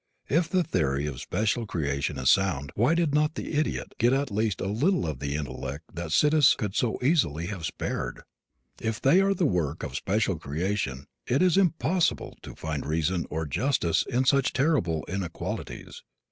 If the theory of special creation is sound why did not the idiot get at least a little of the intellect that Sidis could so easily have spared? If they are the work of special creation it is impossible to find reason or justice in such terrible inequalities.